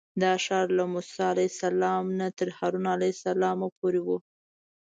دا ښار له موسی علیه السلام نه تر هارون علیه السلام پورې و.